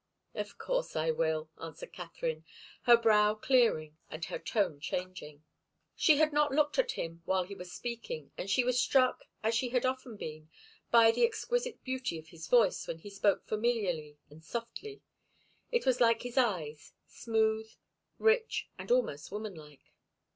"Of course I will," answered Katharine, her brow clearing and her tone changing. She had not looked at him while he was speaking, and she was struck, as she had often been, by the exquisite beauty of his voice when he spoke familiarly and softly. It was like his eyes, smooth, rich and almost woman like.